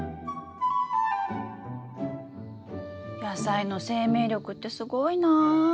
野菜の生命力ってすごいな！